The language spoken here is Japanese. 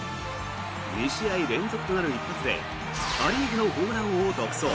２試合連続となる一発でア・リーグのホームランを独走。